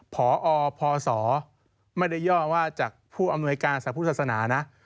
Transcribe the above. พอพศไม่ได้ย่อว่าจากผู้อำนวยการสรรพุทธศาสนานะ